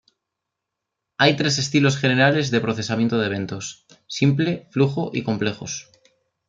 Hay tres estilos generales de procesamiento de eventos: simple, flujo, y complejos.